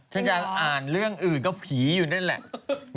ฉันจะอ่านเรื่องอื่นก็ผีอยู่นั่นแหละ